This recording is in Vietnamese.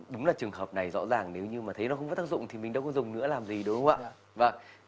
đúng là trường hợp này rõ ràng nếu như mà thấy nó không có tác dụng thì mình đâu có dùng nữa làm gì đúng không ạ